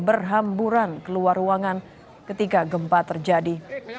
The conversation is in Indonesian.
berhamburan keluar ruangan ketika gempa terjadi